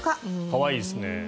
可愛いですね。